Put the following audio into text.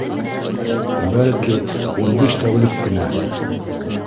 Бәлки, ун биш тәүлек кенә